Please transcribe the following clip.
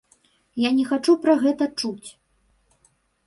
Я не хачу пра гэта чуць!